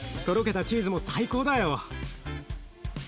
とろけたチーズも最高だよ。